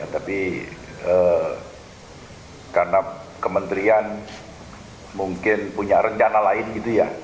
tapi karena kementerian mungkin punya rencana lain gitu ya